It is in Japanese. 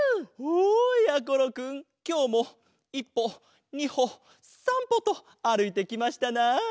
きょうも１ぽ２ほ３ぽとあるいてきましたな。